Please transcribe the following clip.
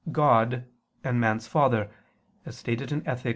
God and man's father, as stated in _Ethic.